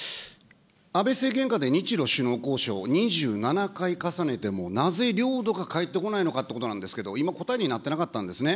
安倍政権下で日ロ首脳交渉、２７回重ねても、なぜ領土が返ってこないのかってことなんですけど、今、答えになってなかったんですね。